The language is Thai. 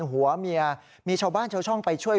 หัวเมียมีชาวบ้านชาวช่องไปช่วย